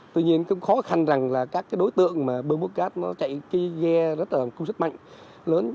tuy nhiên khó khăn là các đối tượng bơm bút cát chạy ghe rất là công sức mạnh lớn